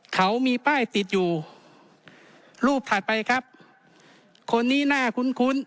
เขามีป้ายติดอยู่รูปถัดไปครับคนนี้น่าคุ้นคุ้น